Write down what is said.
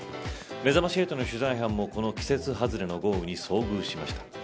めざまし８の取材班もこの季節外れの豪雨に遭遇しました。